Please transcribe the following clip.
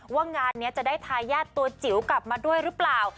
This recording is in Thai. ว่างานนี้จะได้ทายาทตัวจิ๋วกลับมาด้วยหรือเปล่า